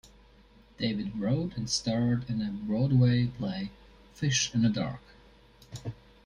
David wrote and starred in the Broadway play "Fish In The Dark".